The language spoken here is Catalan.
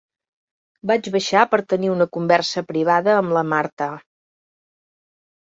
Vaig baixar per tenir una conversa privada amb la Martha.